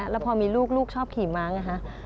แล้วพอมีลูกลูกชอบขี่ม้าไงคะ